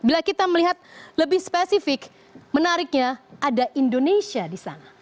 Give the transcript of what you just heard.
bila kita melihat lebih spesifik menariknya ada indonesia di sana